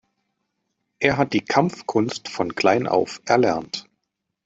Er hat die Kampfkunst von klein auf erlernt.